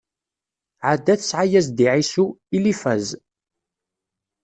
Ɛada tesɛa-yas-d i Ɛisu: Ilifaz.